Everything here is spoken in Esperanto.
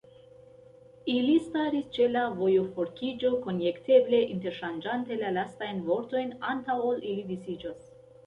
Ili staris ĉe la vojoforkiĝo, konjekteble interŝanĝante la lastajn vortojn, antaŭ ol ili disiĝos.